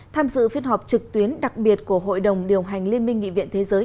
tham dự phiên họp trực tuyến đặc biệt của hội đồng điều hành liên minh nghị viện thế giới